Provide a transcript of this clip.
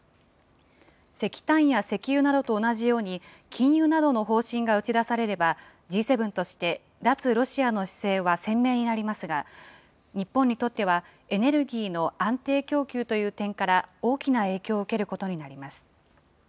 石炭や石油などと同じように、禁輸などの方針が打ち出されれば、Ｇ７として、脱ロシアの姿勢は鮮明になりますが、日本にとってはエネルギーの安定供給という点から、大きな影響を受けることになります。